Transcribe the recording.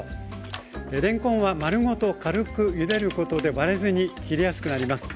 れんこんは丸ごと軽くゆでることで割れずに切れやすくなります。